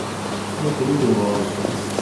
Muqel iḍuḍan-iw.